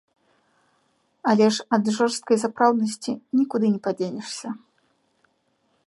Але ж ад жорсткай сапраўднасці нікуды не падзенешся.